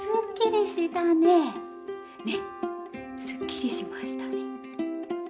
すっきりしましたね！